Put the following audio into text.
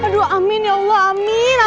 kedua amin ya allah amin